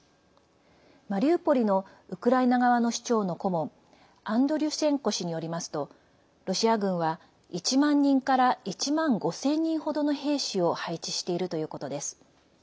マリウポリのウクライナ側の市長の顧問アンドリュシェンコ氏によりますとロシア軍は、１万人から１万５０００人程の兵士を配置しているということです。